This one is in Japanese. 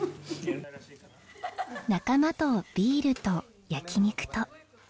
仲間とビールと焼き肉と。